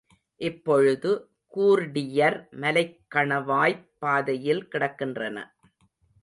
இப்பொழுது, கூர்டியர் மலைக்கணவாய்ப் பாதையில் கிடக்கின்றன.